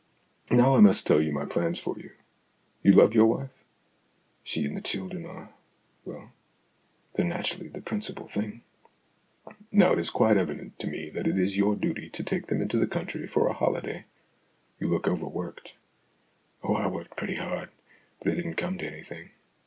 " Now I must tell you my plans for you. You love your wife ?"" She and the children are well, they're natur ally the principal thing." " Now it is quite evident to me that it is your duty to take them into the country for a holiday. You look overworked." " Oh, I worked pretty hard, but it didn't come to anything.